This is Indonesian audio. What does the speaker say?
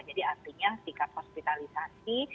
jadi artinya tingkat hospitalisasi